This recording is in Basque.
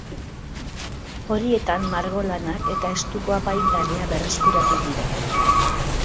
Horietan margolanak eta estuko apaingarriak berreskuratu dira.